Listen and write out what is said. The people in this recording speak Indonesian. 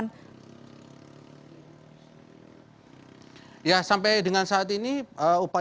yang ketiga adalah meminimalisir korban